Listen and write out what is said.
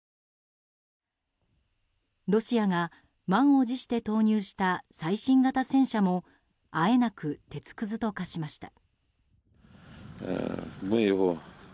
ロシアが満を持して投入した最新型戦車もあえなく鉄くずと化しました。